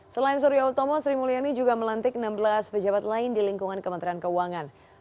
selain surya utomo sri mulyani juga melantik enam belas pejabat lain di lingkungan kementerian keuangan